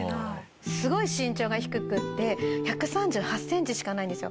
すごい身長が低くて１３８センチしかないんですよ。